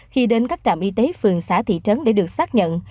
khi đến các trạm y tế phường xã thị trấn để được xác nhận